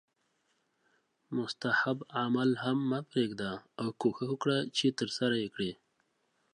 مستحب عمل هم مه پریږده او کوښښ وکړه چې ترسره یې کړې